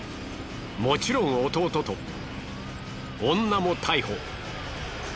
もちろん弟と女も逮捕。